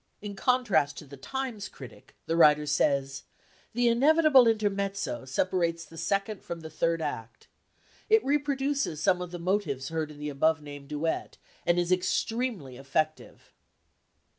In contrast to the Times critic, the writer says: "The inevitable intermezzo separates the second from the third act. It reproduces some of the motives heard in the above named duet, and is extremely effective."